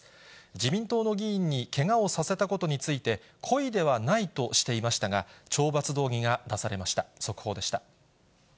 自民党の議員にけがをさせたことについて、故意ではないとしていましたが、懲罰動議が出されました。